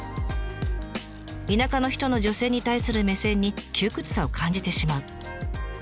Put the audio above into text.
「田舎の人の女性に対する目線に窮屈さを感じてしまう」。